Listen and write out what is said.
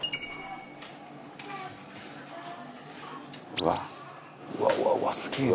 うわうわうわ、すげえな。